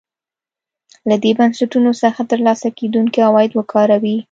له دې بنسټونو څخه ترلاسه کېدونکي عواید وکاروي.